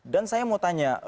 dan saya mau tanya